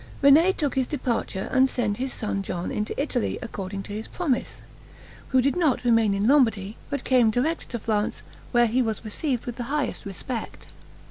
René took his departure, and send his son John into Italy, according to his promise, who did not remain in Lombardy, but came direct to Florence, where he was received with the highest respect.